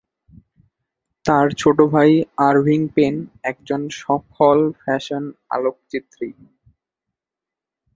তার ছোট ভাই আরভিং পেন একজন সফল ফ্যাশন আলোকচিত্রী।